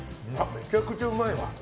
めちゃくちゃうまいわ。